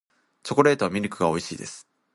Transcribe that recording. チョコレートはミルクが美味しいです